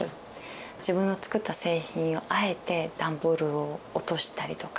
自分の作った製品をあえて段ボールを落としたりとか。